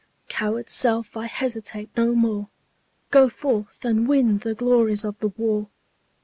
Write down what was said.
coward self I hesitate no more; Go forth, and win the glories of the war.